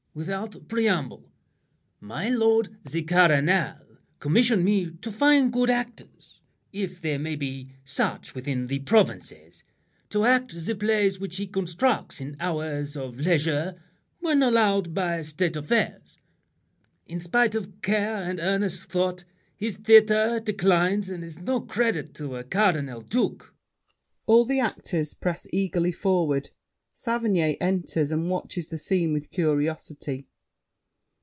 Without preamble: My lord the Cardinal commissioned me To find good actors, if there may be such Within the provinces, to act the plays Which he constructs in hours of leisure when Allowed by State affairs. In spite of care And earnest thought, his theater declines, And is no credit to a cardinal duke. [All the actors press eagerly forward. Saverny enters, and watches the scene with curiosity.